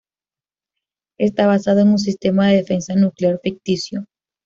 Está basado en un sistema de defensa nuclear ficticio.